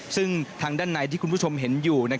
ซึ่งทางด้านในที่คุณผู้ชมเห็นอยู่